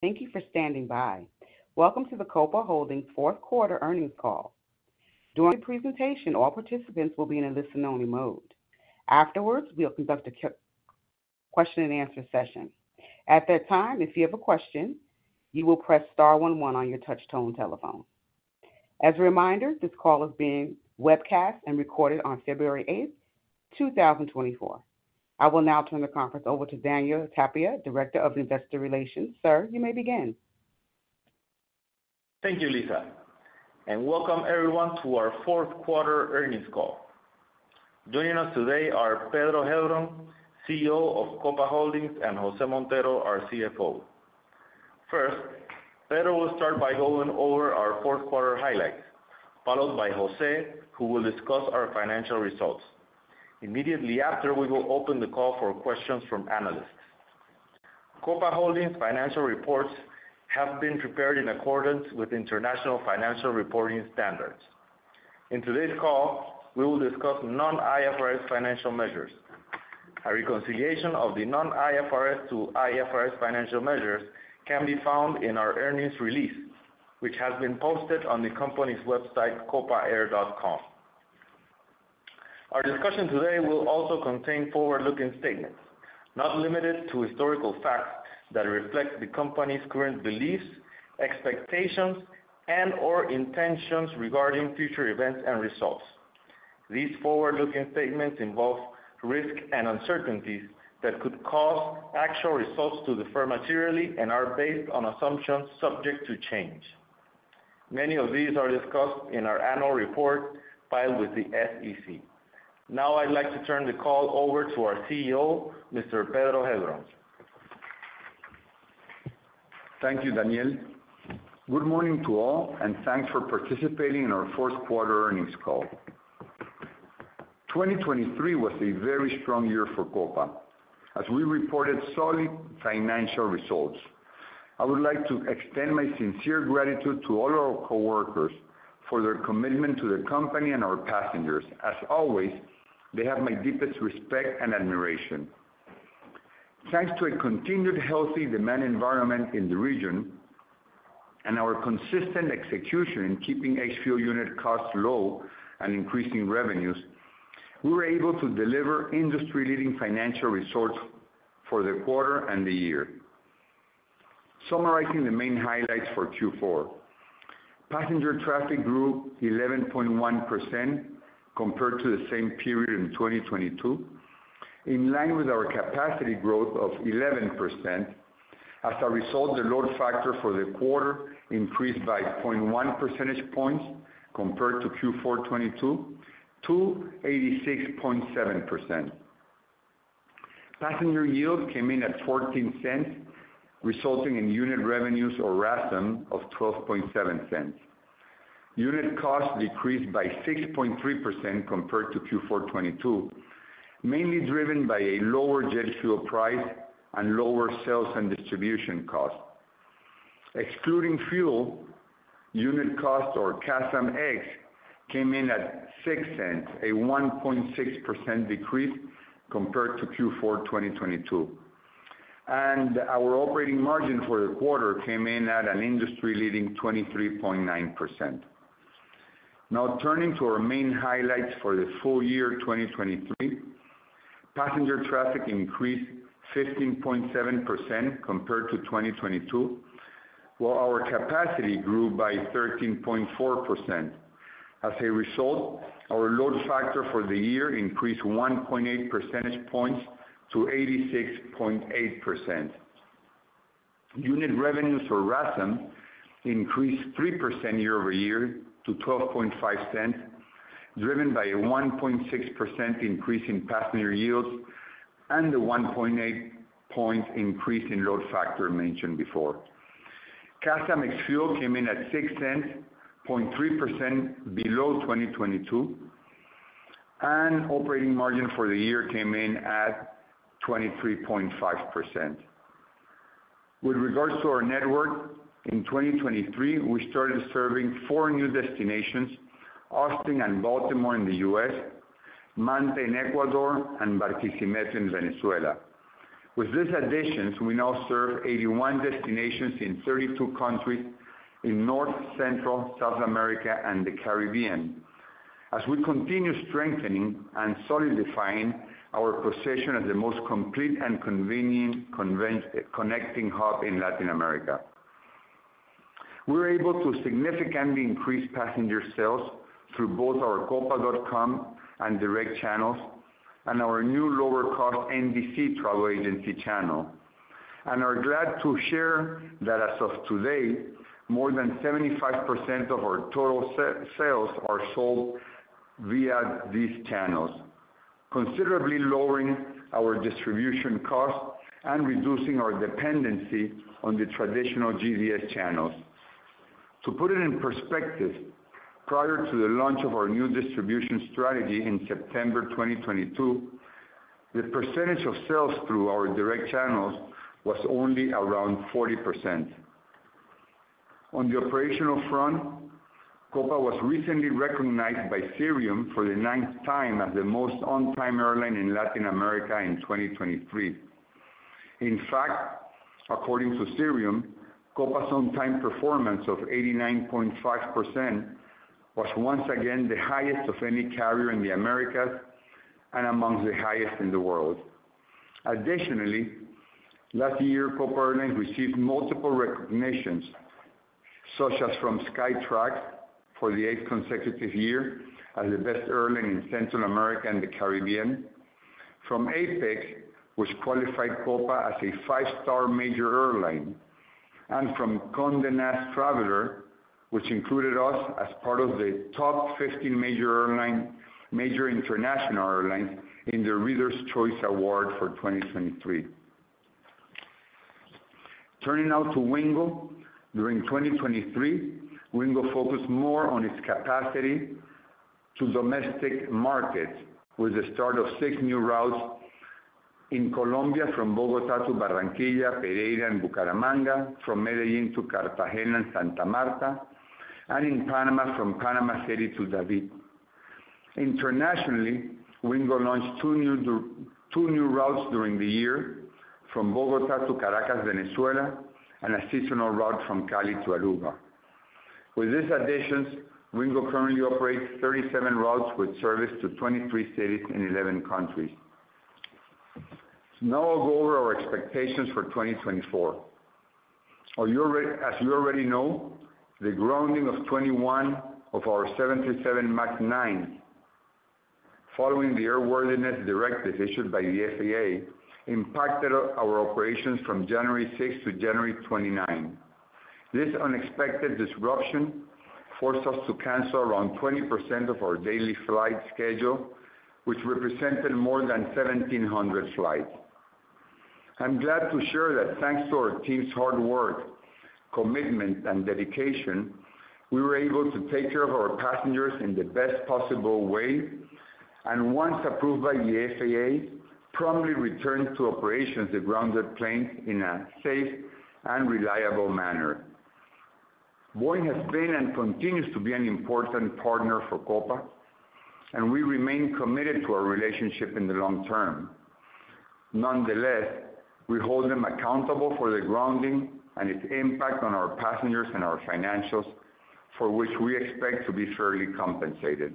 Thank you for standing by. Welcome to the Copa Holdings fourth quarter earnings call. During the presentation, all participants will be in a listen-only mode. Afterwards, we open up the question and answer session. At that time, if you have a question, you will press star one one on your touchtone telephone. As a reminder, this call is being webcast and recorded on February 8, 2024. I will now turn the conference over to Daniel Tapia, Director of Investor Relations. Sir, you may begin. Thank you, Lisa, and welcome everyone to our fourth quarter earnings call. Joining us today are Pedro Heilbron, CEO of Copa Holdings, and Jose Montero, our CFO. First, Pedro will start by going over our fourth quarter highlights, followed by Jose, who will discuss our financial results. Immediately after, we will open the call for questions from analysts. Copa Holdings' financial reports have been prepared in accordance with International Financial Reporting Standards. In today's call, we will discuss non-IFRS financial measures. A reconciliation of the non-IFRS to IFRS financial measures can be found in our earnings release, which has been posted on the company's website, copaair.com. Our discussion today will also contain forward-looking statements, not limited to historical facts, that reflect the company's current beliefs, expectations, and/or intentions regarding future events and results. These forward-looking statements involve risk and uncertainties that could cause actual results to differ materially and are based on assumptions subject to change. Many of these are discussed in our annual report filed with the SEC. Now, I'd like to turn the call over to our CEO, Mr. Pedro Heilbron. Thank you, Daniel. Good morning to all, and thanks for participating in our fourth quarter earnings call. 2023 was a very strong year for Copa, as we reported solid financial results. I would like to extend my sincere gratitude to all our coworkers for their commitment to the company and our passengers. As always, they have my deepest respect and admiration. Thanks to a continued healthy demand environment in the region and our consistent execution in keeping ex-fuel unit costs low and increasing revenues, we were able to deliver industry-leading financial results for the quarter and the year. Summarizing the main highlights for Q4: passenger traffic grew 11.1% compared to the same period in 2022, in line with our capacity growth of 11%. As a result, the load factor for the quarter increased by 0.1 percentage points compared to Q4 2022, to 86.7%. Passenger yield came in at $0.14, resulting in unit revenues or RASM of $0.127. Unit costs decreased by 6.3% compared to Q4 2022, mainly driven by a lower jet fuel price and lower sales and distribution costs. Excluding fuel, unit cost, or CASM ex, came in at $0.06, a 1.6% decrease compared to Q4 2022. And our operating margin for the quarter came in at an industry-leading 23.9%. Now, turning to our main highlights for the full year 2023. Passenger traffic increased 15.7% compared to 2022, while our capacity grew by 13.4%. As a result, our load factor for the year increased 1.8 percentage points to 86.8%. Unit revenues, or RASM, increased 3% year-over-year to $0.125, driven by a 1.6% increase in passenger yields and the 1.8 percentage point increase in load factor mentioned before. CASM ex-fuel came in at $0.06, 0.3% below 2022, and operating margin for the year came in at 23.5%. With regards to our network, in 2023, we started serving four new destinations: Austin and Baltimore in the U.S., Manta in Ecuador, and Barquisimeto in Venezuela. With these additions, we now serve 81 destinations in 32 countries in North, Central, South America, and the Caribbean. As we continue strengthening and solidifying our position as the most complete and convenient connecting hub in Latin America. We were able to significantly increase passenger sales through both our Copa.com and direct channels, and our new lower-cost NDC travel agency channel, and are glad to share that as of today, more than 75% of our total sales are sold via these channels, considerably lowering our distribution costs and reducing our dependency on the traditional GDS channels. To put it in perspective, prior to the launch of our new distribution strategy in September 2022, the percentage of sales through our direct channels was only around 40%.... On the operational front, Copa was recently recognized by Cirium for the ninth time as the most on-time airline in Latin America in 2023. In fact, according to Cirium, Copa's on-time performance of 89.5% was once again the highest of any carrier in the Americas and amongst the highest in the world. Additionally, last year, Copa Airlines received multiple recognitions, such as from Skytrax for the eighth consecutive year as the best airline in Central America and the Caribbean. From APEX, which qualified Copa as a five-star major airline, and from Condé Nast Traveler, which included us as part of the top 15 major airline- major international airlines in their Readers' Choice Award for 2023. Turning now to Wingo. During 2023, Wingo focused more on its capacity to domestic markets, with the start of 6 new routes in Colombia, from Bogotá to Barranquilla, Pereira, and Bucaramanga, from Medellín to Cartagena and Santa Marta, and in Panama, from Panama City to David. Internationally, Wingo launched 2 new routes during the year: from Bogotá to Caracas, Venezuela, and a seasonal route from Cali to Aruba. With these additions, Wingo currently operates 37 routes with service to 23 cities in 11 countries. Now I'll go over our expectations for 2024. As you already know, the grounding of 21 of our 737 MAX 9, following the airworthiness directive issued by the FAA, impacted our operations from January 6 to January 29. This unexpected disruption forced us to cancel around 20% of our daily flight schedule, which represented more than 1,700 flights. I'm glad to share that thanks to our team's hard work, commitment, and dedication, we were able to take care of our passengers in the best possible way, and once approved by the FAA, promptly returned to operations the grounded planes in a safe and reliable manner. Boeing has been and continues to be an important partner for Copa, and we remain committed to our relationship in the long term. Nonetheless, we hold them accountable for the grounding and its impact on our passengers and our financials, for which we expect to be fairly compensated.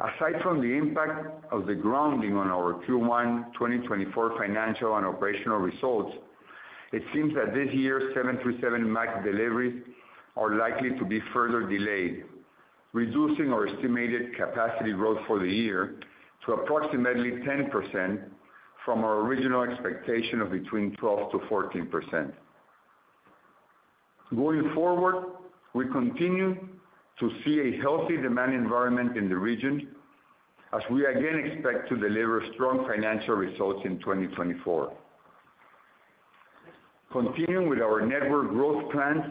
Aside from the impact of the grounding on our Q1 2024 financial and operational results, it seems that this year's 737 MAX deliveries are likely to be further delayed, reducing our estimated capacity growth for the year to approximately 10% from our original expectation of between 12%-14%. Going forward, we continue to see a healthy demand environment in the region, as we again expect to deliver strong financial results in 2024. Continuing with our network growth plans,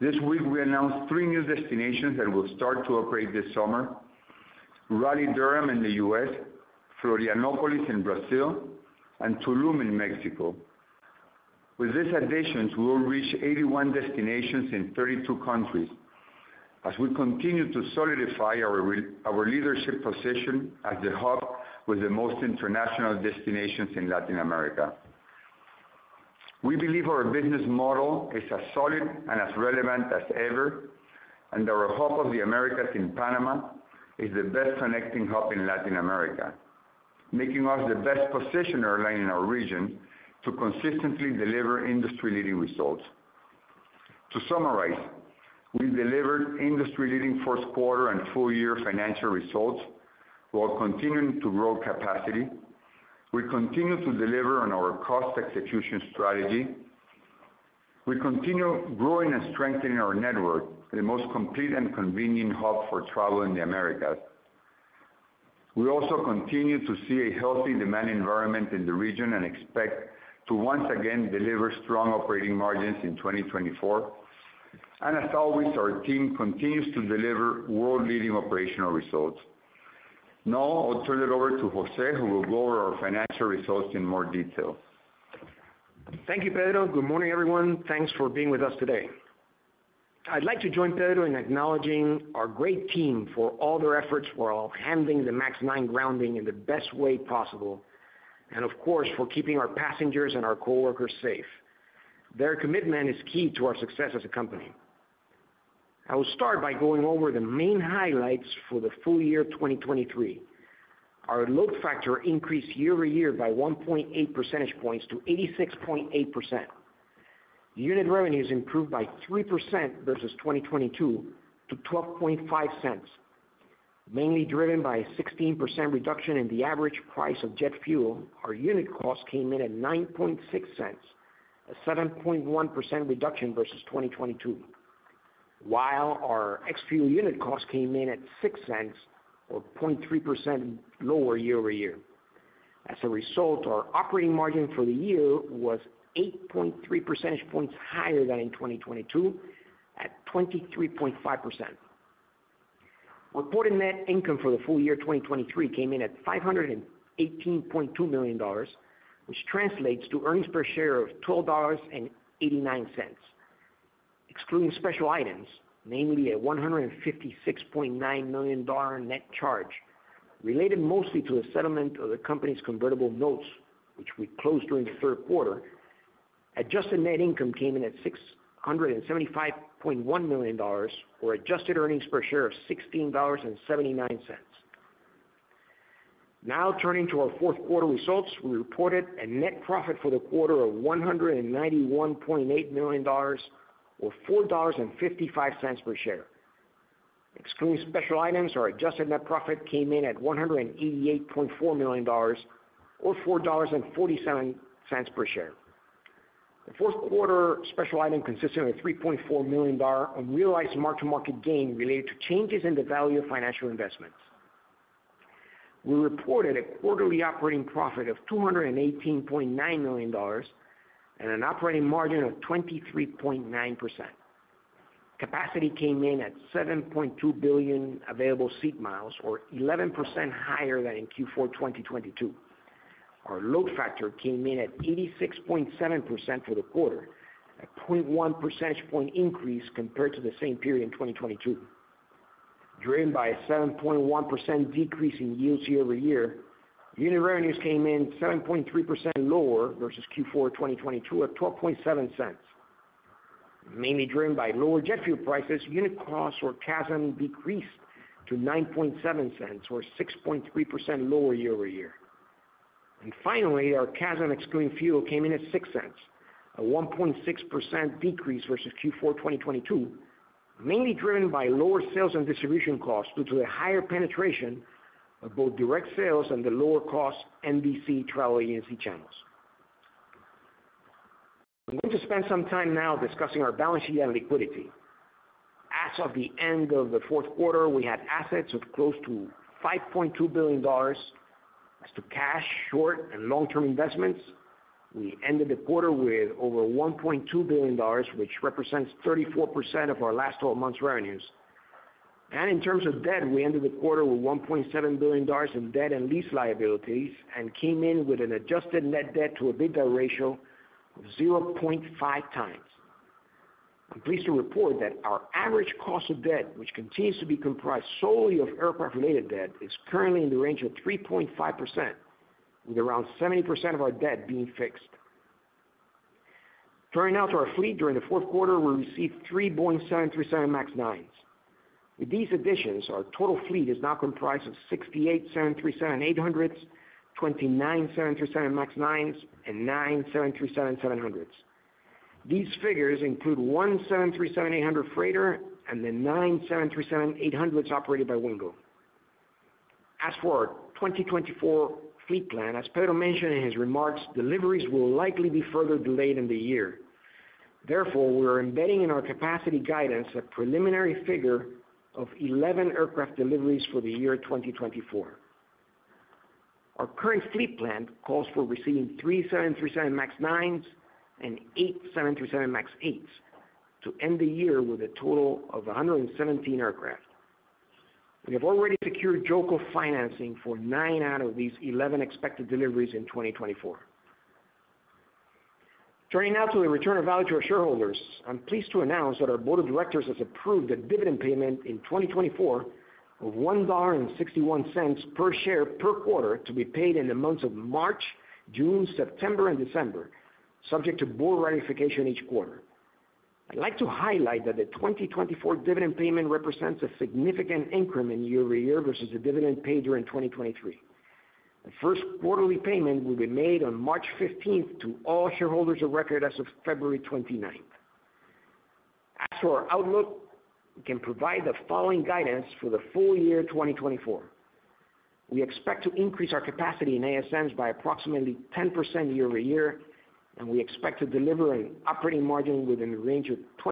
this week we announced 3 new destinations that will start to operate this summer: Raleigh-Durham in the U.S., Florianópolis in Brazil, and Tulum in Mexico. With these additions, we will reach 81 destinations in 32 countries, as we continue to solidify our our leadership position as the hub with the most international destinations in Latin America. We believe our business model is as solid and as relevant as ever, and our Hub of the Americas in Panama is the best connecting hub in Latin America, making us the best-positioned airline in our region to consistently deliver industry-leading results. To summarize, we delivered industry-leading first quarter and full-year financial results while continuing to grow capacity. We continue to deliver on our cost execution strategy. We continue growing and strengthening our network, the most complete and convenient hub for travel in the Americas. We also continue to see a healthy demand environment in the region and expect to once again deliver strong operating margins in 2024. As always, our team continues to deliver world-leading operational results. Now, I'll turn it over to Jose, who will go over our financial results in more detail. Thank you, Pedro. Good morning, everyone. Thanks for being with us today. I'd like to join Pedro in acknowledging our great team for all their efforts while handling the MAX 9 grounding in the best way possible, and of course, for keeping our passengers and our coworkers safe. Their commitment is key to our success as a company. I will start by going over the main highlights for the full year of 2023. Our load factor increased year-over-year by 1.8 percentage points to 86.8%. Unit revenues improved by 3% versus 2022, to $0.125. Mainly driven by a 16% reduction in the average price of jet fuel, our unit cost came in at $0.096, a 7.1% reduction versus 2022. While our ex-fuel unit cost came in at $0.06, or 0.3% lower year-over-year. As a result, our operating margin for the year was 8.3 percentage points higher than in 2022, at 23.5%.... Reported net income for the full year 2023 came in at $518.2 million, which translates to earnings per share of $12.89. Excluding special items, namely a $156.9 million net charge related mostly to the settlement of the company's convertible notes, which we closed during the third quarter, adjusted net income came in at $675.1 million, or adjusted earnings per share of $16.79. Now turning to our fourth quarter results. We reported a net profit for the quarter of $191.8 million, or $4.55 per share. Excluding special items, our adjusted net profit came in at $188.4 million, or $4.47 per share. The fourth quarter special item consisted of a $3.4 million unrealized mark-to-market gain related to changes in the value of financial investments. We reported a quarterly operating profit of $218.9 million and an operating margin of 23.9%. Capacity came in at 7.2 billion available seat miles, or 11% higher than in Q4 2022. Our load factor came in at 86.7% for the quarter, a 0.1 percentage point increase compared to the same period in 2022. Driven by a 7.1% decrease in yields year-over-year, unit revenues came in 7.3% lower versus Q4 2022, at $0.127. Mainly driven by lower jet fuel prices, unit costs or CASM decreased to $0.097, or 6.3% lower year-over-year. Finally, our CASM excluding fuel came in at $0.06, a 1.6% decrease versus Q4 2022, mainly driven by lower sales and distribution costs due to the higher penetration of both direct sales and the lower cost NDC travel agency channels. I'm going to spend some time now discussing our balance sheet and liquidity. As of the end of the fourth quarter, we had assets of close to $5.2 billion. As to cash, short- and long-term investments, we ended the quarter with over $1.2 billion, which represents 34% of our last 12 months revenues. In terms of debt, we ended the quarter with $1.7 billion in debt and lease liabilities and came in with an adjusted net debt to EBITDA ratio of 0.5x. I'm pleased to report that our average cost of debt, which continues to be comprised solely of aircraft-related debt, is currently in the range of 3.5%, with around 70% of our debt being fixed. Turning now to our fleet. During the fourth quarter, we received three Boeing 737 MAX 9s. With these additions, our total fleet is now comprised of sixty-eight 737-800s, twenty-nine 737 MAX 9s, and nine 737-700s. These figures include 1 737-800 freighter and the 9 737-800s operated by Wingo. As for our 2024 fleet plan, as Pedro mentioned in his remarks, deliveries will likely be further delayed in the year. Therefore, we are embedding in our capacity guidance a preliminary figure of 11 aircraft deliveries for the year 2024. Our current fleet plan calls for receiving 3 737 MAX 9s and 8 737 MAX 8s to end the year with a total of 117 aircraft. We have already secured JOLCO financing for 9 out of these 11 expected deliveries in 2024. Turning now to the return of value to our shareholders. I'm pleased to announce that our board of directors has approved a dividend payment in 2024 of $1.61 per share per quarter, to be paid in the months of March, June, September, and December, subject to board ratification each quarter. I'd like to highlight that the 2024 dividend payment represents a significant increment year-over-year versus the dividend paid during 2023. The first quarterly payment will be made on March 15th to all shareholders of record as of February 29th. As for our outlook, we can provide the following guidance for the full year 2024. We expect to increase our capacity in ASMs by approximately 10% year-over-year, and we expect to deliver an operating margin within the range of twen- ...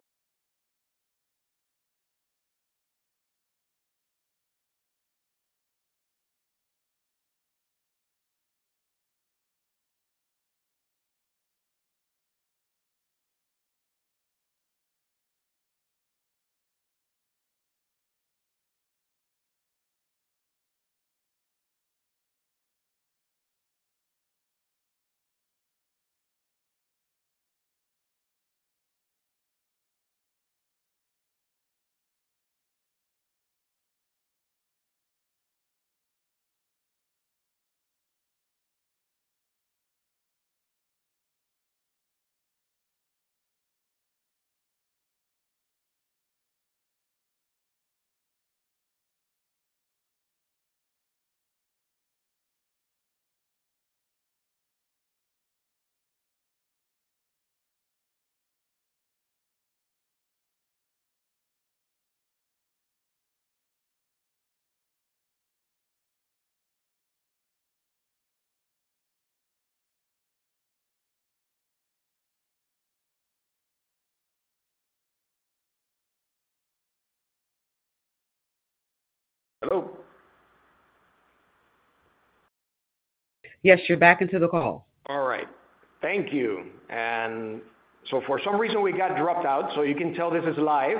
Yes, you're back into the call. All right. Thank you. So for some reason, we got dropped out, so you can tell this is live.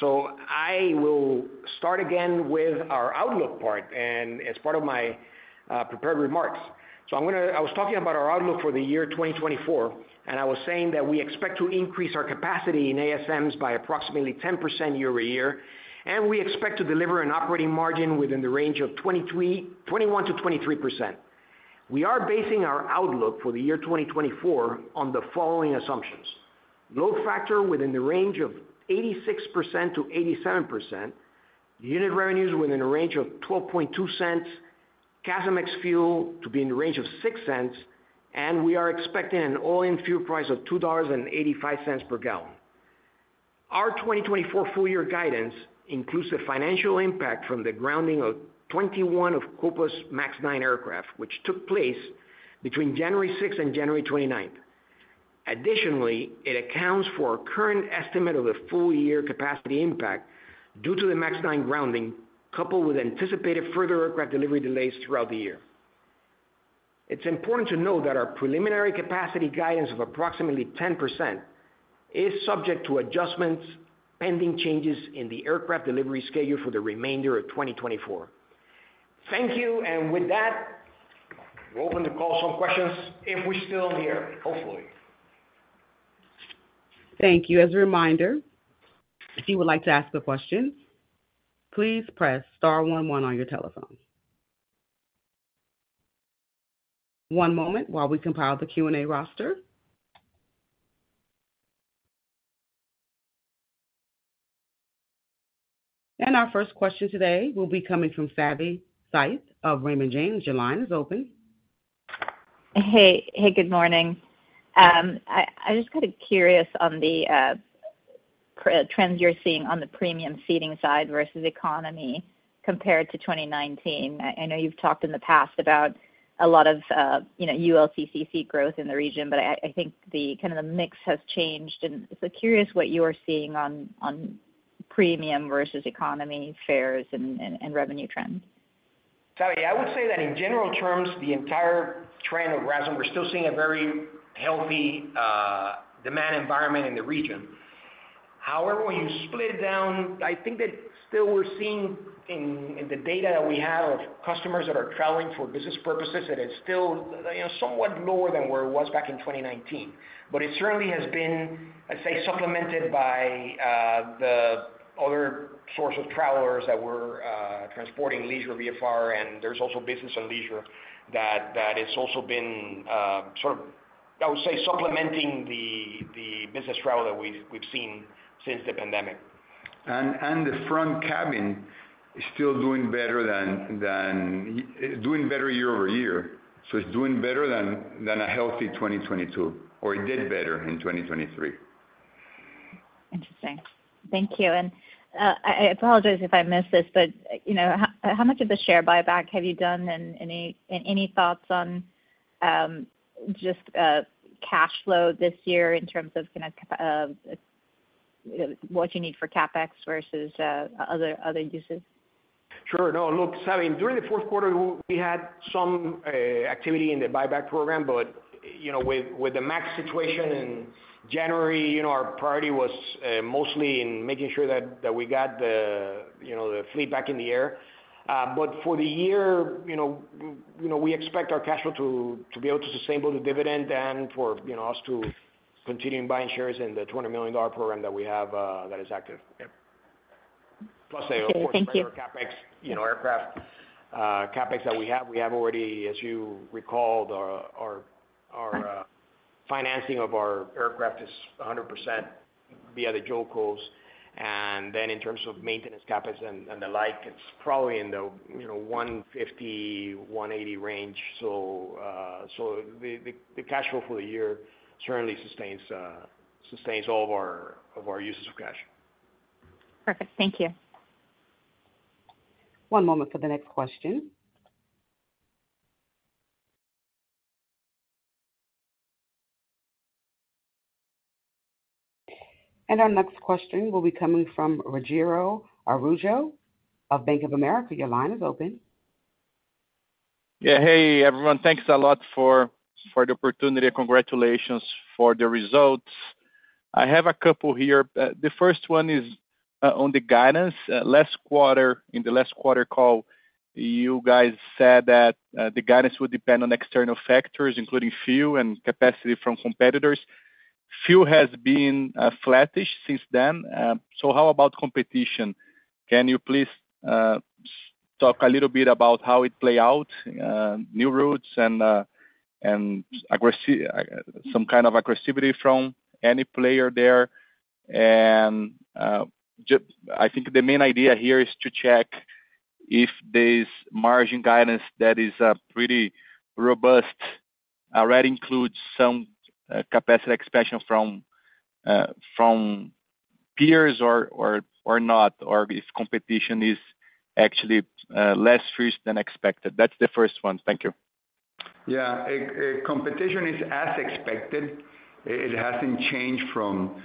So I will start again with our outlook part, and as part of my prepared remarks. So I'm gonna—I was talking about our outlook for the year 2024, and I was saying that we expect to increase our capacity in ASMs by approximately 10% year-over-year, and we expect to deliver an operating margin within the range of 21%-23%. We are basing our outlook for the year 2024 on the following assumptions: load factor within the range of 86%-87%, unit revenues within a range of $0.122, CASM ex fuel to be in the range of $0.06, and we are expecting an all-in fuel price of $2.85 per gallon. Our 2024 full year guidance includes the financial impact from the grounding of 21 of Copa's MAX 9 aircraft, which took place between January 6 and January 29. Additionally, it accounts for our current estimate of the full year capacity impact due to the MAX 9 grounding, coupled with anticipated further aircraft delivery delays throughout the year. It's important to note that our preliminary capacity guidance of approximately 10% is subject to adjustments, pending changes in the aircraft delivery schedule for the remainder of 2024. Thank you. With that, we're open to call some questions if we're still here, hopefully. Thank you. As a reminder, if you would like to ask a question, please press star one-one on your telephone. One moment while we compile the Q&A roster. Our first question today will be coming from Savanthi Syth of Raymond James. Your line is open. Hey, hey, good morning. I just got curious on the trends you're seeing on the premium seating side versus economy compared to 2019. I know you've talked in the past about a lot of, you know, ULCC growth in the region, but I think the kind of the mix has changed. And so curious what you are seeing on premium versus economy fares and revenue trends. Savi, I would say that in general terms, the entire trend of RASM, we're still seeing a very healthy demand environment in the region. However, when you split it down, I think that still we're seeing in the data that we have of customers that are traveling for business purposes, that it's still, you know, somewhat lower than where it was back in 2019. But it certainly has been, I'd say, supplemented by the other source of travelers that were transporting leisure VFR, and there's also business and leisure, that it's also been sort of, I would say, supplementing the business travel that we've seen since the pandemic. The front cabin is still doing better year-over-year, so it's doing better than a healthy 2022, or it did better in 2023. Interesting. Thank you. And I apologize if I missed this, but you know, how much of the share buyback have you done? And any thoughts on just cash flow this year in terms of kind of what you need for CapEx versus other uses? Sure. No, look, Savvy, during the fourth quarter, we had some activity in the buyback program, but, you know, with the MAX situation in January, you know, our priority was mostly in making sure that we got the fleet back in the air. But for the year, you know, we expect our cash flow to be able to sustain both the dividend and for us to continuing buying shares in the $20 million program that we have, that is active. Yeah. Okay. Thank you. Plus, CapEx, you know, aircraft CapEx that we have, we have already, as you recalled, our financing of our aircraft is 100% via the JOLCOs. And then in terms of maintenance CapEx and the like, it's probably in the, you know, $150-$180 range. So, the cash flow for the year certainly sustains all of our uses of cash. Perfect. Thank you. One moment for the next question. Our next question will be coming from Rogerio Araujo of Bank of America. Your line is open. Yeah. Hey, everyone. Thanks a lot for the opportunity. Congratulations for the results. I have a couple here. The first one is on the guidance. Last quarter, in the last quarter call, you guys said that the guidance would depend on external factors, including fuel and capacity from competitors. Fuel has been flattish since then. So how about competition? Can you please talk a little bit about how it play out, new routes and and aggressivity from any player there? And I think the main idea here is to check if this margin guidance that is pretty robust, already includes some capacity expansion from from peers or or or not, or if competition is actually less fierce than expected. That's the first one. Thank you.... Yeah, competition is as expected. It hasn't changed from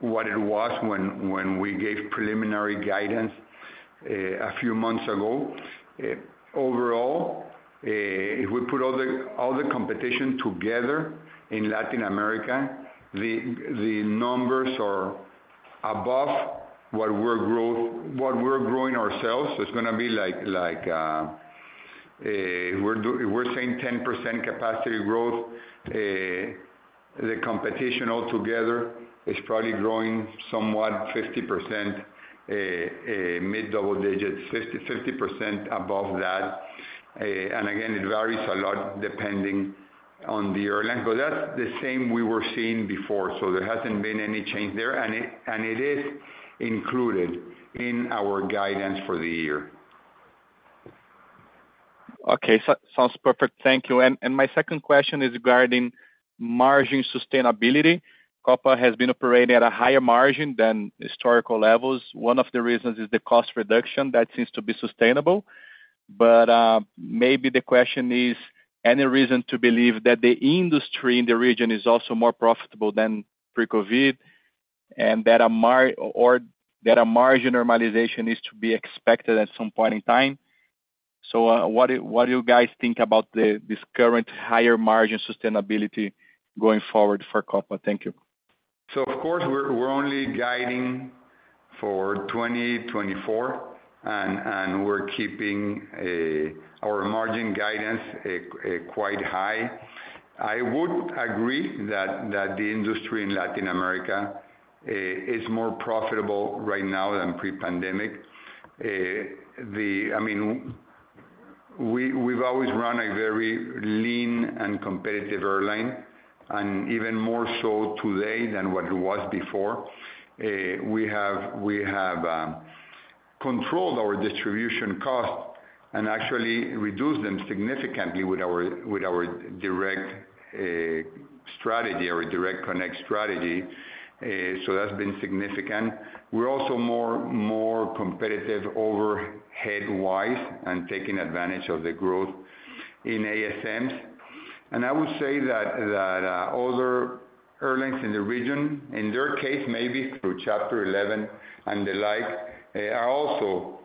what it was when we gave preliminary guidance a few months ago. Overall, if we put all the competition together in Latin America, the numbers are above what we're growing ourselves. So it's gonna be like we're saying 10% capacity growth. The competition altogether is probably growing somewhat 50%, mid-double digits, 50% above that. And again, it varies a lot depending on the airline, but that's the same we were seeing before, so there hasn't been any change there, and it is included in our guidance for the year. Okay, so sounds perfect. Thank you. And my second question is regarding margin sustainability. Copa has been operating at a higher margin than historical levels. One of the reasons is the cost reduction that seems to be sustainable. But maybe the question is, any reason to believe that the industry in the region is also more profitable than pre-COVID, and that a margin normalization is to be expected at some point in time? So, what do you guys think about this current higher margin sustainability going forward for Copa? Thank you. So of course, we're only guiding for 2024, and we're keeping our margin guidance quite high. I would agree that the industry in Latin America is more profitable right now than pre-pandemic. I mean, we've always run a very lean and competitive airline, and even more so today than what it was before. We have controlled our distribution costs and actually reduced them significantly with our direct strategy, our direct connect strategy, so that's been significant. We're also more competitive overhead-wise and taking advantage of the growth in ASMs. And I would say that other airlines in the region, in their case, maybe through Chapter Eleven and the like, are also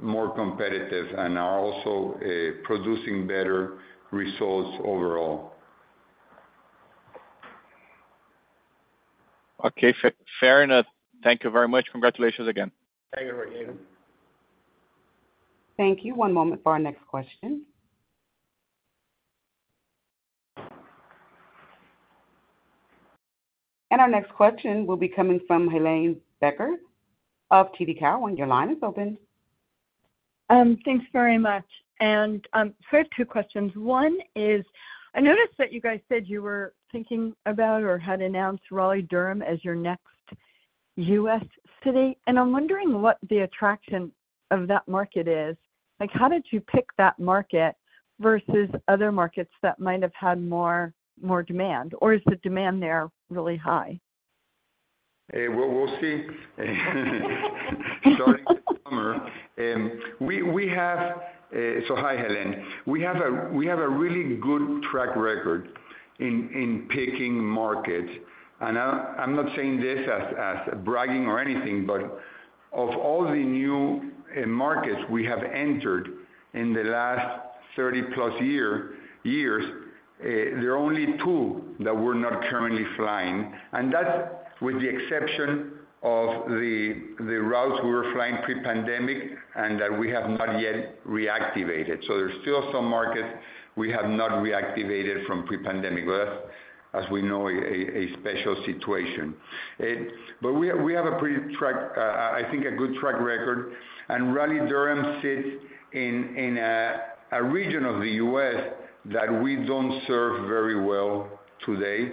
more competitive and are also producing better results overall. Okay, fair enough. Thank you very much. Congratulations again. Thank you, Rogerio. Thank you. One moment for our next question. Our next question will be coming from Helane Becker of TD Cowen. Your line is open. Thanks very much. And, so I have two questions. One is, I noticed that you guys said you were thinking about or had announced Raleigh-Durham as your next U.S. city, and I'm wondering what the attraction of that market is. Like, how did you pick that market versus other markets that might have had more demand? Or is the demand there really high? We'll see starting this summer. So hi, Helane. We have a really good track record in picking markets, and I'm not saying this as bragging or anything, but of all the new markets we have entered in the last 30-plus years, there are only two that we're not currently flying, and that's with the exception of the routes we were flying pre-pandemic and that we have not yet reactivated. So there's still some markets we have not reactivated from pre-pandemic. Well, as we know, a special situation. But we have a pretty good track record, I think, and Raleigh-Durham sits in a region of the U.S. that we don't serve very well today.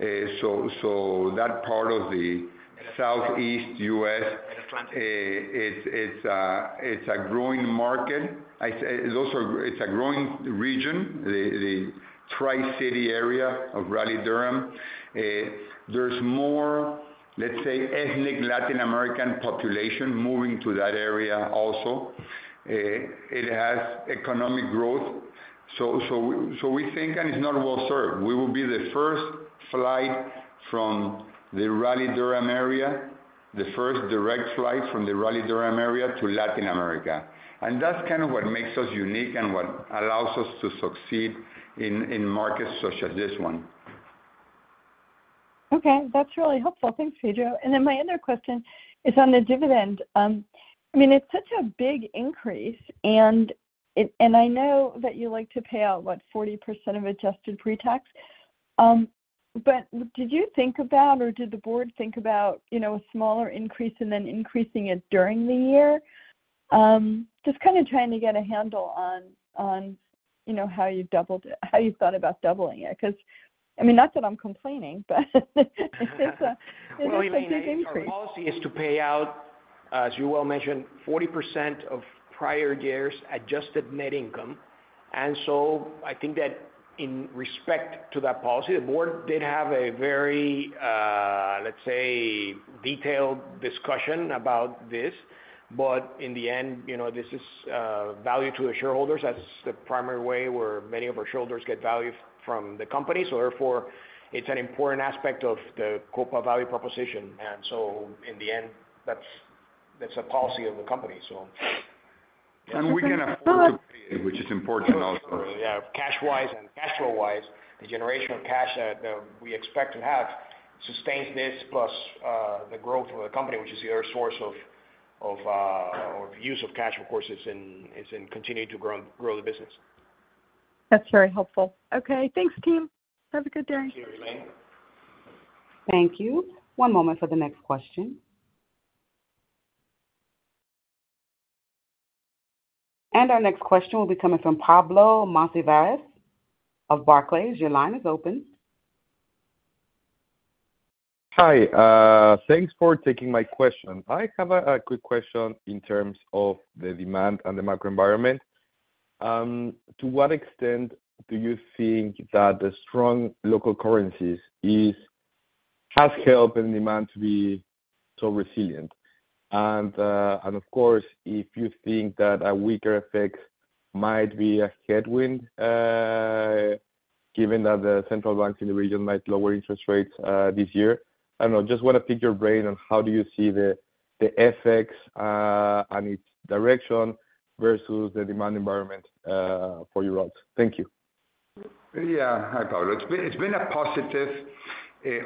So that part of the Southeast U.S., it's a growing market. I say, it's also a growing region, the Tri-City area of Raleigh-Durham. There's more, let's say, ethnic Latin American population moving to that area also. It has economic growth. So we think, and it's not well served. We will be the first flight from the Raleigh-Durham area, the first direct flight from the Raleigh-Durham area to Latin America. And that's kind of what makes us unique and what allows us to succeed in markets such as this one. Okay. That's really helpful. Thanks, Pedro. And then my other question is on the dividend. I mean, it's such a big increase, and I know that you like to pay out, what, 40% of adjusted pre-tax. But did you think about, or did the board think about, you know, a smaller increase and then increasing it during the year? Just kind of trying to get a handle on, you know, how you doubled it, how you thought about doubling it. Because, I mean, not that I'm complaining, but it's, it is a big increase. Well, we mean, our policy is to pay out-... as you well mentioned, 40% of prior years adjusted net income. And so I think that in respect to that policy, the board did have a very, let's say, detailed discussion about this. But in the end, you know, this is value to the shareholders. That's the primary way where many of our shareholders get value from the company. So therefore, it's an important aspect of the Copa value proposition. And so in the end, that's a policy of the company, so. We can afford to, which is important also. Yeah, cash-wise and cash flow-wise, the generation of cash that, that we expect to have sustains this, plus the growth of the company, which is the other source of, of or the use of cash, of course, is in, is in continuing to grow, grow the business. That's very helpful. Okay, thanks, team. Have a good day. Thank you, Helane. Thank you. One moment for the next question. Our next question will be coming from Pablo Monsivais of Barclays. Your line is open. Hi, thanks for taking my question. I have a quick question in terms of the demand and the macro environment. To what extent do you think that the strong local currencies has helped in demand to be so resilient? And of course, if you think that a weaker effect might be a headwind, given that the central banks in the region might lower interest rates, this year. I don't know, just wanna pick your brain on how do you see the effects on its direction versus the demand environment for you all. Thank you. Yeah. Hi, Pablo. It's been, it's been a positive,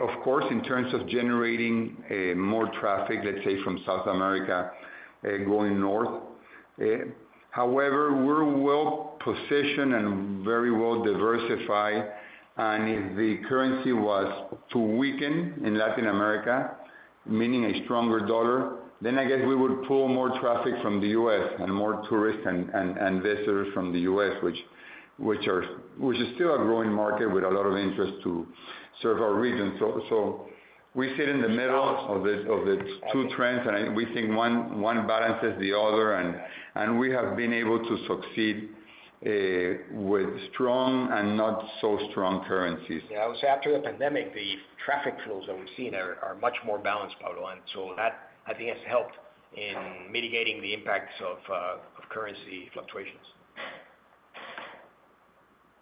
of course, in terms of generating more traffic, let's say, from South America going north. However, we're well-positioned and very well-diversified. And if the currency was to weaken in Latin America, meaning a stronger dollar, then I guess we would pull more traffic from the U.S. and more tourists and visitors from the U.S., which is still a growing market with a lot of interest to serve our region. So we sit in the middle of the two trends, and we think one balances the other, and we have been able to succeed with strong and not so strong currencies. Yeah, I would say after the pandemic, the traffic flows that we've seen are much more balanced, Pablo, and so that, I think, has helped in mitigating the impacts of of currency fluctuations.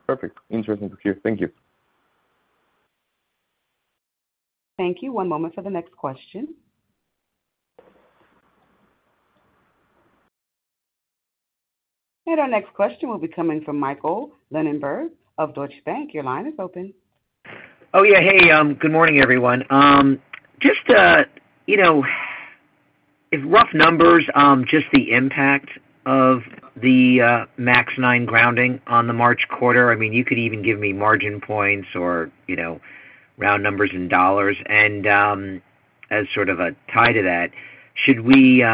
Perfect. Interesting to hear. Thank you. Thank you. One moment for the next question. Our next question will be coming from Michael Linenberg of Deutsche Bank. Your line is open. Oh, yeah. Hey, good morning, everyone. Just, you know, in rough numbers, just the impact of the MAX 9 grounding on the March quarter. I mean, you could even give me margin points or, you know, round numbers in dollars. And, as sort of a tie to that, should we...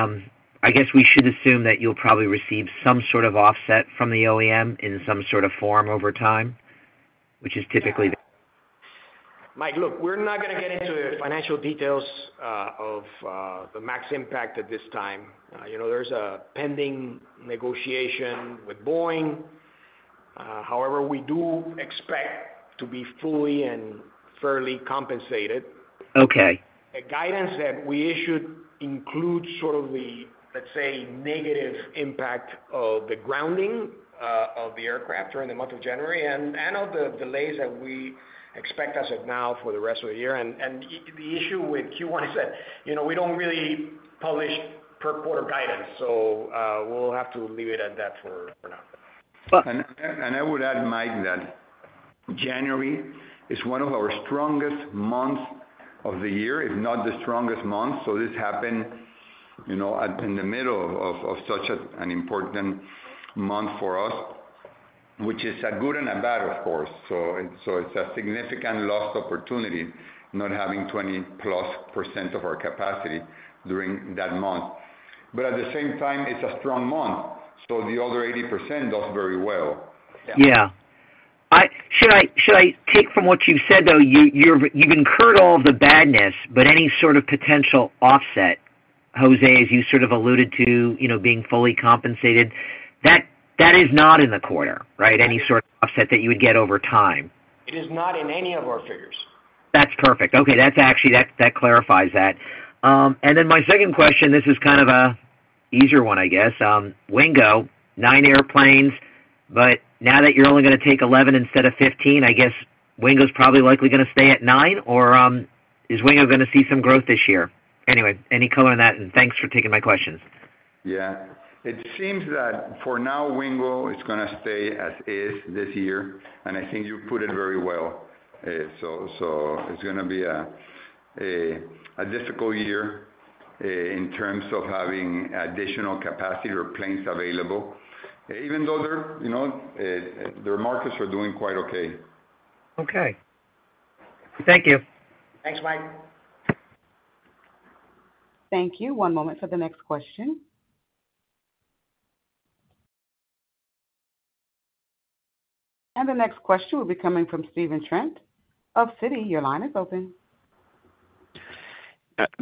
I guess we should assume that you'll probably receive some sort of offset from the OEM in some sort of form over time, which is typically the- Mike, look, we're not gonna get into the financial details of the MAX impact at this time. You know, there's a pending negotiation with Boeing. However, we do expect to be fully and fairly compensated. Okay. The guidance that we issued includes sort of the, let's say, negative impact of the grounding of the aircraft during the month of January, and the issue with Q1 is that, you know, we don't really publish per quarter guidance, so we'll have to leave it at that for now. But- I would add, Mike, that January is one of our strongest months of the year, if not the strongest month. So this happened, you know, in the middle of such an important month for us, which is a good and a bad, of course. So it's a significant lost opportunity, not having 20+% of our capacity during that month. But at the same time, it's a strong month, so the other 80% does very well. Yeah. Should I take from what you've said, though, you, you're, you've incurred all the badness, but any sort of potential offset, Jose, as you sort of alluded to, you know, being fully compensated, that, that is not in the quarter, right? Any sort of offset that you would get over time. It is not in any of our figures. That's perfect. Okay, that's actually that clarifies that. And then my second question, this is kind of a easier one, I guess. Wingo, 9 airplanes, but now that you're only gonna take 11 instead of 15, I guess Wingo's probably likely gonna stay at 9, or is Wingo gonna see some growth this year? Anyway, any color on that, and thanks for taking my questions. Yeah. It seems that for now, Wingo is gonna stay as is this year, and I think you put it very well. So it's gonna be a difficult year in terms of having additional capacity or planes available, even though they're, you know, their markets are doing quite okay. Okay. Thank you. Thanks, Mike. Thank you. One moment for the next question... The next question will be coming from Stephen Trent of Citi. Your line is open.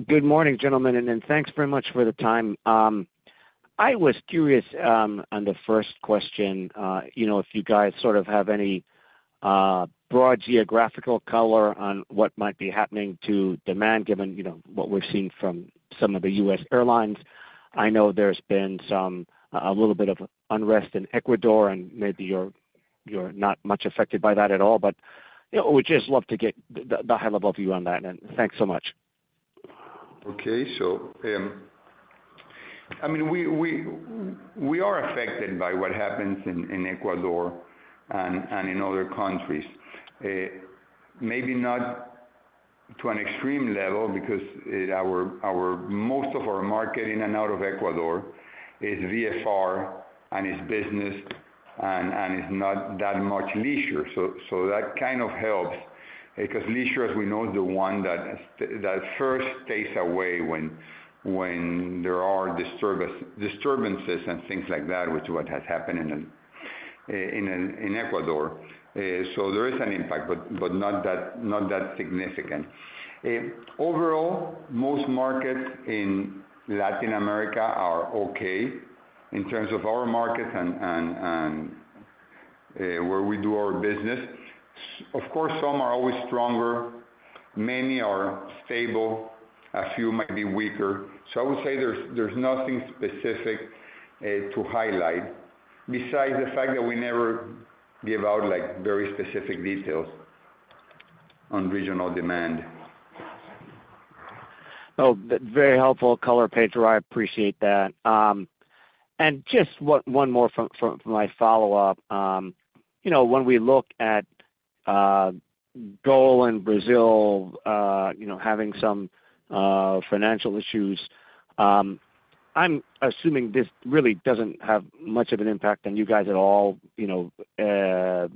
Good morning, gentlemen, and then thanks very much for the time. I was curious, on the first question, you know, if you guys sort of have any broad geographical color on what might be happening to demand, given, you know, what we're seeing from some of the US airlines. I know there's been some a little bit of unrest in Ecuador, and maybe you're not much affected by that at all. But, you know, would just love to get the high-level view on that, and thanks so much. Okay. So, I mean, we are affected by what happens in Ecuador and in other countries. Maybe not to an extreme level because our most of our market in and out of Ecuador is VFR, and it's business, and it's not that much leisure. So that kind of helps, because leisure, as we know, is the one that first stays away when there are disturbances and things like that, which is what has happened in Ecuador. So there is an impact, but not that significant. Overall, most markets in Latin America are okay in terms of our markets and where we do our business. Of course, some are always stronger, many are stable, a few might be weaker. I would say there's nothing specific to highlight, besides the fact that we never give out, like, very specific details on regional demand. Oh, very helpful color, Pedro. I appreciate that. And just one more from my follow-up. You know, when we look at Gol in Brazil, you know, having some financial issues, I'm assuming this really doesn't have much of an impact on you guys at all, you know,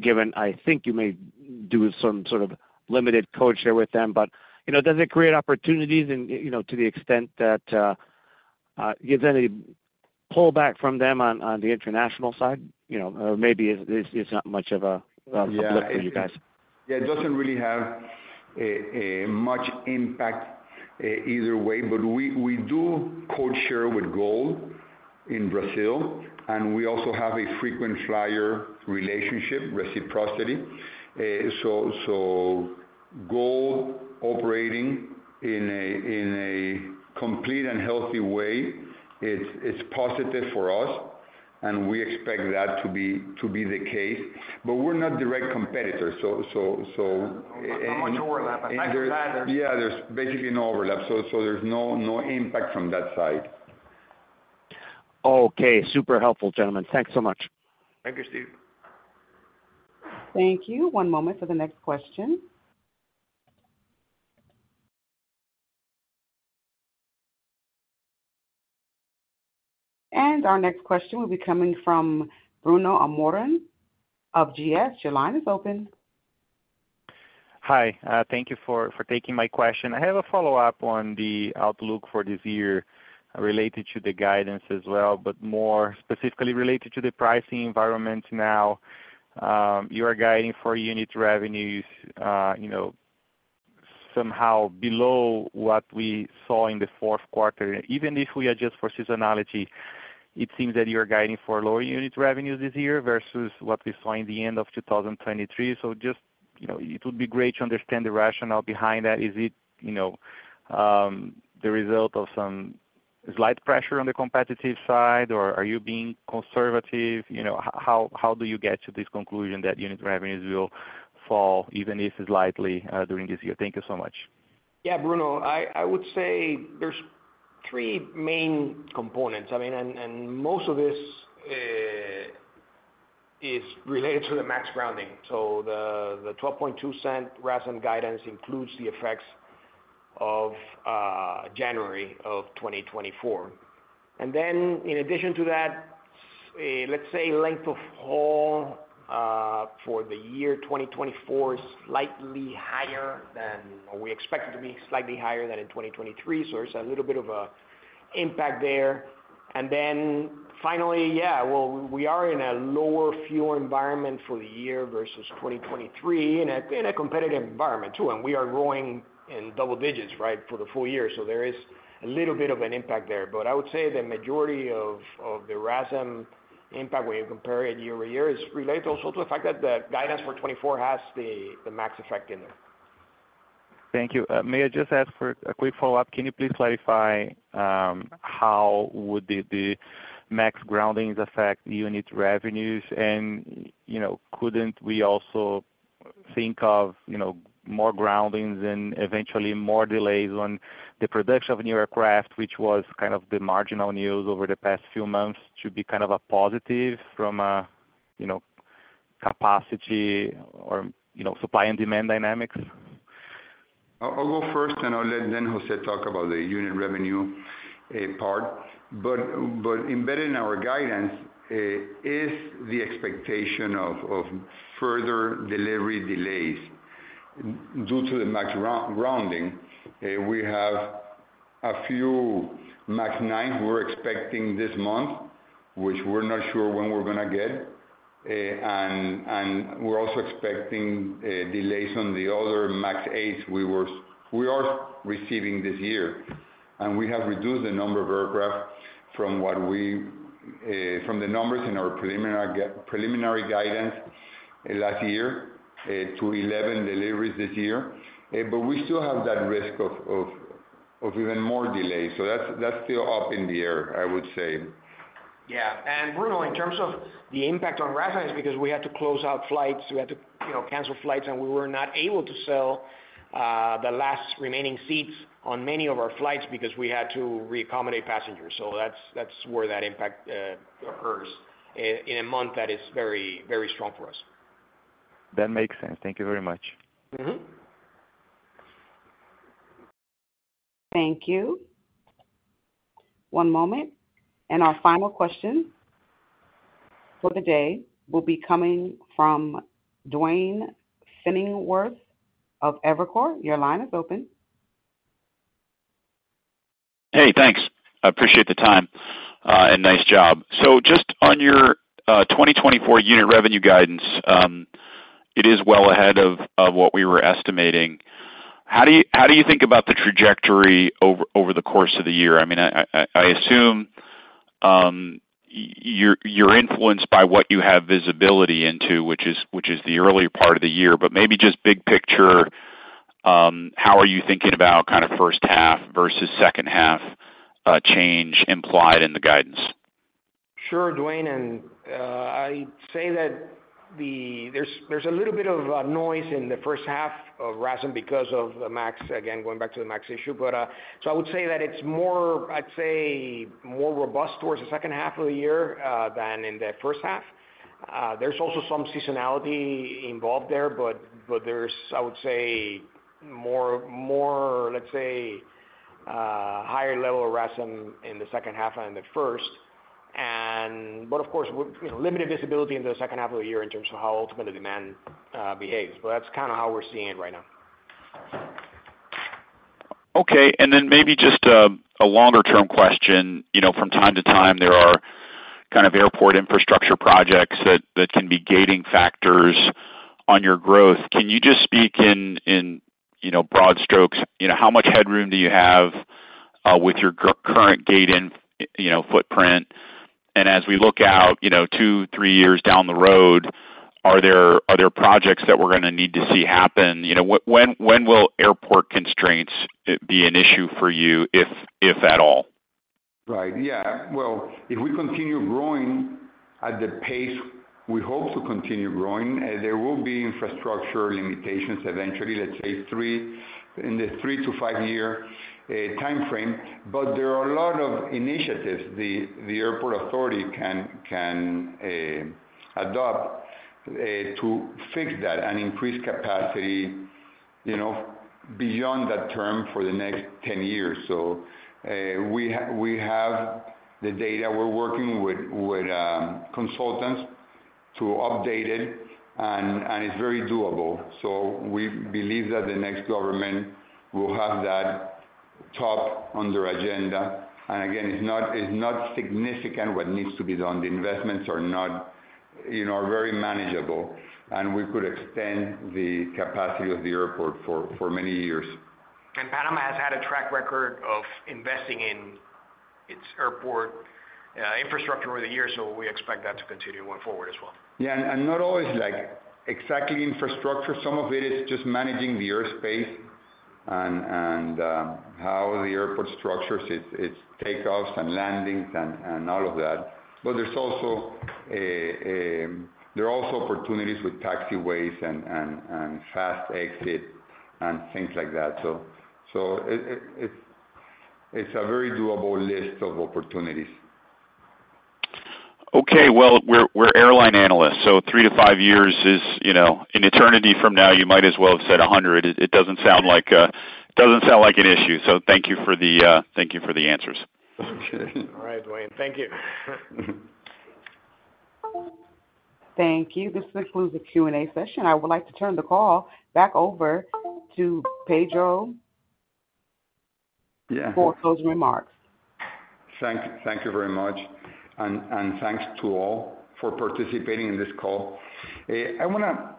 given I think you may do some sort of limited code share with them. But, you know, does it create opportunities and, you know, to the extent that gives any pullback from them on the international side? You know, maybe it, it's not much of a, a- Yeah. Look for you guys. Yeah, it doesn't really have much impact either way. But we do code-share with Gol in Brazil, and we also have a frequent flyer relationship, reciprocity. So Gol operating in a complete and healthy way is positive for us, and we expect that to be the case. But we're not direct competitors, so, so, uh- Not much overlap. Yeah, there's basically no overlap, so there's no impact from that side. Okay. Super helpful, gentlemen. Thanks so much. Thank you, Steve. Thank you. One moment for the next question. Our next question will be coming from Bruno Amorim of GS. Your line is open. Hi, thank you for taking my question. I have a follow-up on the outlook for this year, related to the guidance as well, but more specifically related to the pricing environment now. You are guiding for unit revenues, you know, somehow below what we saw in the fourth quarter. Even if we adjust for seasonality, it seems that you're guiding for lower unit revenues this year versus what we saw in the end of 2023. So just, you know, it would be great to understand the rationale behind that. Is it, you know, the result of some slight pressure on the competitive side, or are you being conservative? You know, how do you get to this conclusion that unit revenues will fall, even if slightly, during this year? Thank you so much. Yeah, Bruno, I would say there's three main components. I mean, and most of this is related to the MAX grounding. So the $0.122 RASM guidance includes the effects of January of 2024. And then in addition to that, let's say length of haul for the year 2024 is slightly higher than we expect it to be slightly higher than in 2023, so there's a little bit of an impact there. And then finally, yeah, well, we are in a lower fuel environment for the year versus 2023, in a competitive environment too, and we are growing in double digits, right, for the full year. So there is a little bit of an impact there. But I would say the majority of the RASM impact, when you compare it year-over-year, is related also to the fact that the guidance for 2024 has the MAX effect in there. Thank you. May I just ask for a quick follow-up? Can you please clarify how would the MAX groundings affect unit revenues? And, you know, couldn't we also think of, you know, more groundings and eventually more delays on the production of new aircraft, which was kind of the marginal news over the past few months, to be kind of a positive from a, you know, capacity or, you know, supply and demand dynamics? I'll go first, and I'll let then José talk about the unit revenue part. But embedded in our guidance is the expectation of further delivery delays. Due to the MAX grounding, we have a few MAX 9 we're expecting this month, which we're not sure when we're gonna get. And we're also expecting delays on the other MAX eights we are receiving this year. And we have reduced the number of aircraft from what we from the numbers in our preliminary guidance last year to 11 deliveries this year. But we still have that risk of even more delays, so that's still up in the air, I would say. Yeah. And Bruno, in terms of the impact on RASM is because we had to close out flights, we had to, you know, cancel flights, and we were not able to sell the last remaining seats on many of our flights because we had to reaccommodate passengers. So that's, that's where that impact occurs in a month that is very, very strong for us. That makes sense. Thank you very much. Mm-hmm. Thank you. One moment, and our final question for the day will be coming from Duane Pfennigwerth of Evercore. Your line is open. Hey, thanks. I appreciate the time, and nice job. So just on your 2024 unit revenue guidance, it is well ahead of what we were estimating. How do you think about the trajectory over the course of the year? I mean, I assume you're influenced by what you have visibility into, which is the earlier part of the year, but maybe just big picture, how are you thinking about kind of first half versus second half change implied in the guidance? Sure, Duane, and I'd say that the... There's a little bit of noise in the first half of RASM because of the MAX, again, going back to the MAX issue. But, so I would say that it's more, I'd say, more robust towards the second half of the year than in the first half. There's also some seasonality involved there, but there's, I would say, more, let's say, higher level of RASM in the second half than in the first. But, of course, you know, limited visibility in the second half of the year in terms of how ultimately demand behaves. But that's kind of how we're seeing it right now. Okay. And then maybe just a longer-term question. You know, from time to time, there are kind of airport infrastructure projects that, that can be gating factors on your growth. Can you just speak in, in, you know, broad strokes, you know, how much headroom do you have with your current gate in, you know, footprint? And as we look out, you know, two, three years down the road, are there, are there projects that we're gonna need to see happen? You know, when will airport constraints be an issue for you, if, if at all? Right. Yeah. Well, if we continue growing at the pace we hope to continue growing, there will be infrastructure limitations eventually, let's say in the 3- to 5-year timeframe. But there are a lot of initiatives the airport authority can adopt to fix that and increase capacity, you know, beyond that term for the next 10 years. So, we have the data. We're working with consultants to update it, and it's very doable. So we believe that the next government will have that top on their agenda. And again, it's not significant what needs to be done. The investments are not... You know, are very manageable, and we could extend the capacity of the airport for many years. Panama has had a track record of investing in its airport infrastructure over the years, so we expect that to continue going forward as well. Yeah, and not always, like, exactly infrastructure. Some of it is just managing the airspace and how the airport structures its takeoffs and landings and all of that. But there are also opportunities with taxiways and fast exit and things like that. So it's a very doable list of opportunities. Okay, well, we're airline analysts, so 3-5 years is, you know, an eternity from now. You might as well have said 100. It doesn't sound like an issue. So thank you for the answers. Okay. All right, Duane. Thank you. Thank you. This concludes the Q&A session. I would like to turn the call back over to Pedro- Yeah. - for closing remarks. Thank you very much. Thanks to all for participating in this call. I wanna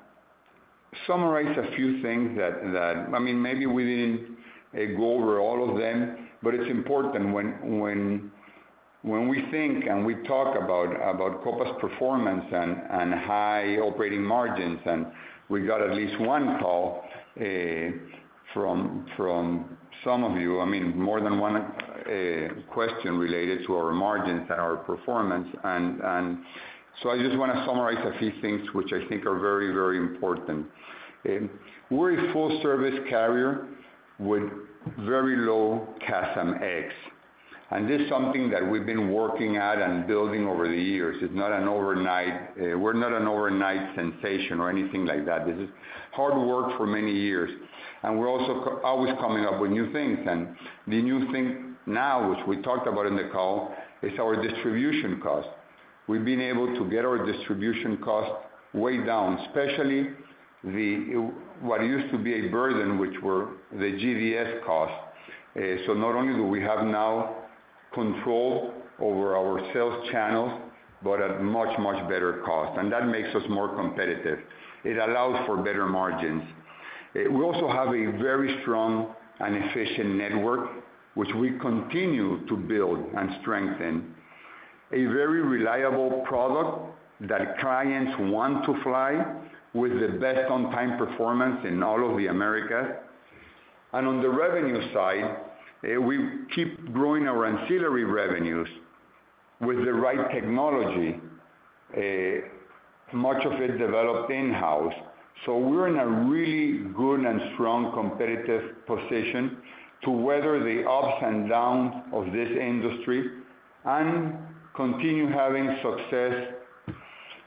summarize a few things. I mean, maybe we didn't go over all of them, but it's important when we think and we talk about Copa's performance and high operating margins, and we got at least one call from some of you. I mean, more than one question related to our margins and our performance. So I just wanna summarize a few things which I think are very, very important. We're a full-service carrier with very low CASM ex-fuel, and this is something that we've been working at and building over the years. It's not an overnight. We're not an overnight sensation or anything like that. This is hard work for many years, and we're also always coming up with new things. The new thing now, which we talked about in the call, is our distribution cost. We've been able to get our distribution cost way down, especially what used to be a burden, which were the GDS costs. So not only do we have now control over our sales channels, but at much, much better cost, and that makes us more competitive. It allows for better margins. We also have a very strong and efficient network, which we continue to build and strengthen. A very reliable product that clients want to fly with the best on-time performance in all of the Americas. On the revenue side, we keep growing our ancillary revenues with the right technology, much of it developed in-house. So we're in a really good and strong competitive position to weather the ups and downs of this industry and continue having success.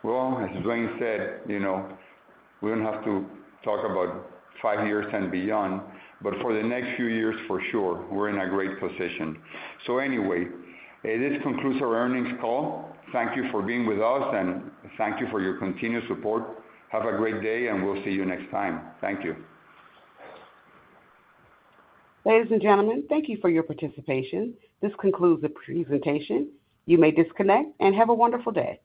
Well, as Duane said, you know, we don't have to talk about five years and beyond, but for the next few years, for sure, we're in a great position. So anyway, this concludes our earnings call. Thank you for being with us, and thank you for your continued support. Have a great day, and we'll see you next time. Thank you. Ladies and gentlemen, thank you for your participation. This concludes the presentation. You may disconnect and have a wonderful day.